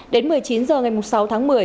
đến một mươi chín h ngày sáu tháng một mươi